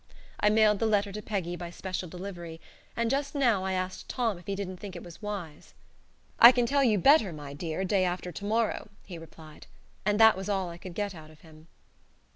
I mailed the letter to Peggy by special delivery, and just now I asked Tom if he didn't think it was wise. "I can tell you better, my dear, day after tomorrow," he replied. And that was all I could get out of him.